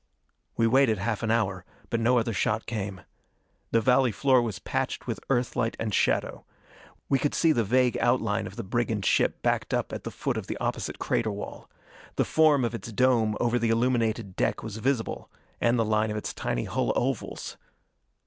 We waited half an hour, but no other shot came. The valley floor was patched with Earthlight and shadow. We could see the vague outline of the brigand ship backed up at the foot of the opposite crater wall. The form of its dome over the illumined deck was visible, and the line of its tiny hull ovals.